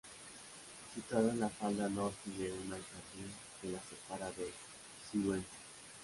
Situado en la falda norte de una alcarria que la separa de Sigüenza.